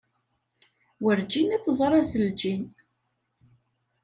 Werǧin i t-ẓriɣ s lǧin.